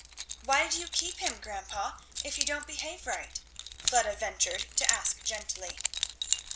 "Why do you keep him, grandpa, if he don't behave right?" Fleda ventured to ask gently.